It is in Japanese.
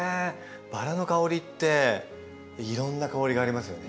バラの香りっていろんな香りがありますよね。